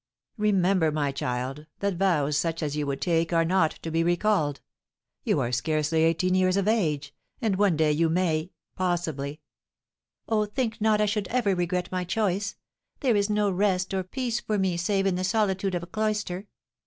"Remember, my child, that vows such as you would take are not to be recalled. You are scarcely eighteen years of age, and one day you may possibly " "Oh, think not I should ever regret my choice! There is no rest or peace for me save in the solitude of a cloister.